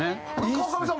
川上さん